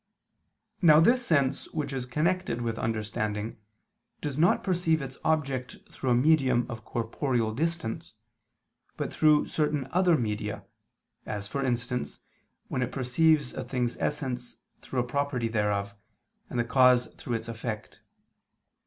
Now this sense which is connected with understanding, does not perceive its object through a medium of corporeal distance, but through certain other media, as, for instance, when it perceives a thing's essence through a property thereof, and the cause through its effect.